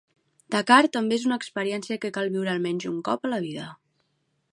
Dakar també és una experiència que cal viure almenys un cop a la vida.